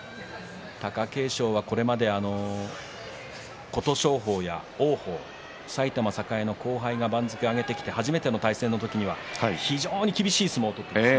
貴景勝はこれまで琴勝峰や王鵬、埼玉栄の後輩が番付を上げてきて初めての対戦の時には、非常に厳しい相撲を取っています。